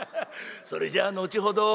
それじゃ後ほど」。